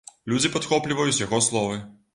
Людзі падхопліваюць яго словы.